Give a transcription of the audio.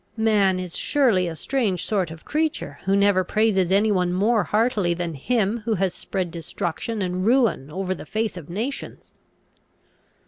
Man is surely a strange sort of creature, who never praises any one more heartily than him who has spread destruction and ruin over the face of nations!"